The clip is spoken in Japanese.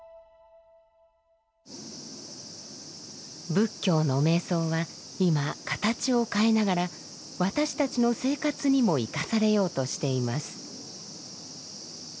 仏教の瞑想は今形を変えながら私たちの生活にも生かされようとしています。